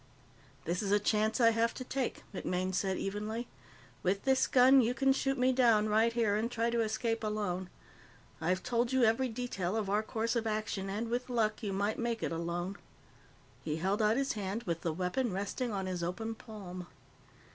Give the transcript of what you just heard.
"This is a chance I have to take," MacMaine said evenly. "With this gun, you can shoot me down right here and try to escape alone. I've told you every detail of our course of action, and, with luck, you might make it alone." He held out his hand, with the weapon resting on his open palm.